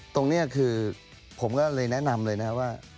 ตรงนี้คือผมก็เลยแนะนำเลยนะครับว่า